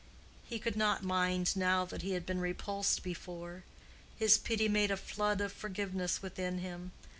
He could not mind now that he had been repulsed before. His pity made a flood of forgiveness within him.